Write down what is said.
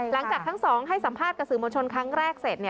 หลังจากทั้งสองให้สัมภาษณ์กับสื่อมวลชนครั้งแรกเสร็จ